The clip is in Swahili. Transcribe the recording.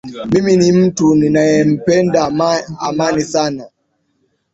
Mimi ni mtu ninayempenda amani sana